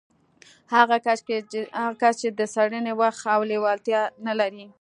هغه کس چې د څېړنې وخت او لېوالتيا نه لري.